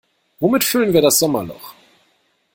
Womit füllen wir das Sommerloch?